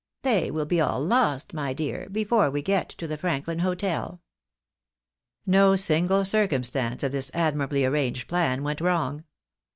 " They will be all lost, my dear, before we get to the Franklin hotel." No single circumstance of this admirably arranged plan went ■wrong.